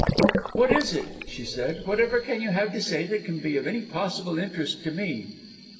"'What is it?' she said, 'whatever can you have to say that can be of any possible interest to me?'